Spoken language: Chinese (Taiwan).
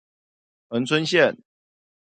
恆春線